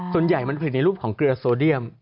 ส่วนใหญ่มันผลิตในรูปของเกลือโซเดียม